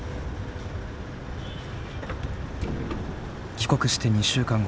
帰国して２週間後。